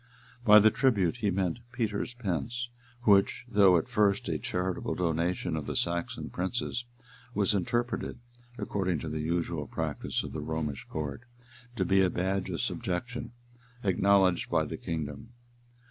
By the tribute, he meant Peter's pence; which, though at first a charitable donation of the Saxon princes, was interpreted, according to the usual practice of the Romish court, to be a badge of subjection acknowledged by the kingdom.